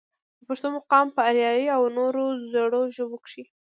د پښتو مقام پۀ اريائي او نورو زړو ژبو کښې